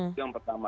itu yang pertama